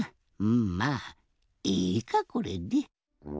うんまあいいかこれで。